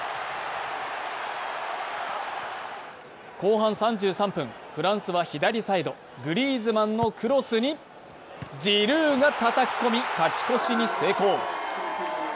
後半３３分、フランスは左サイド、グリーズマンのクロスにジルーがたたき込み、勝ち越しに成功。